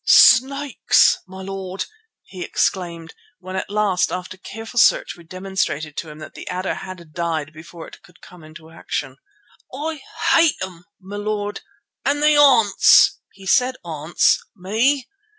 "Snakes! my lord," he exclaimed, when at last after careful search we demonstrated to him that the adder had died before it could come into action. "I hate 'em, my lord, and they haunts" (he said 'aunts) "me.